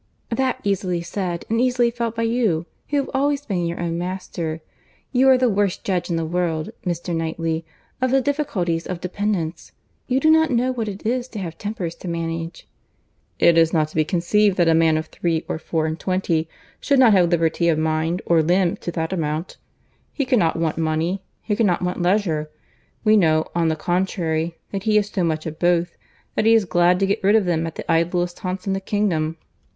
"That's easily said, and easily felt by you, who have always been your own master. You are the worst judge in the world, Mr. Knightley, of the difficulties of dependence. You do not know what it is to have tempers to manage." "It is not to be conceived that a man of three or four and twenty should not have liberty of mind or limb to that amount. He cannot want money—he cannot want leisure. We know, on the contrary, that he has so much of both, that he is glad to get rid of them at the idlest haunts in the kingdom.